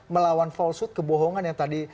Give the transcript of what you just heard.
melawan falsuit kebohongan yang tadi